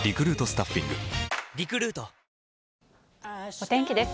お天気です。